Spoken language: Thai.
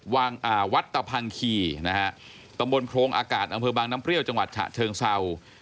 วัดตะพังคีนะฮะตำบลโพรงอากาศอำเภอบางน้ำเปรี้ยวจังหวัดฉะเชิงเศร้า